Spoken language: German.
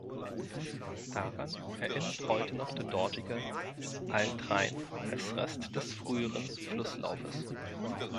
Daran erinnert heute noch der dortige "Altrhein" als Rest des früheren Flusslaufes.